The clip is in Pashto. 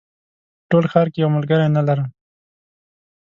په ټول ښار کې یو ملګری نه لرم